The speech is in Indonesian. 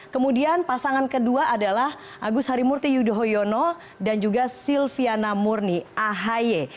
kemudian pasangan kedua adalah agus harimurti yudhoyono dan juga silviana murni ahy